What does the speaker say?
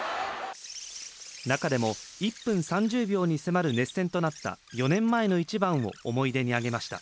中でも１分３０秒に迫る熱戦となった４年前の一番を思い出に挙げました。